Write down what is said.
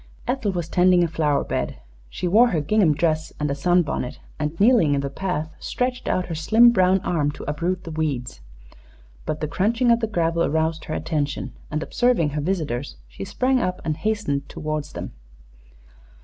Ethel was tending a flower bed. She wore her gingham dress and a sunbonnet, and, kneeling in the path, stretched out her slim brown arm to uproot the weeds. But the crunching of the gravel aroused her attention, and, observing her visitors, she sprang up and hastened toward them.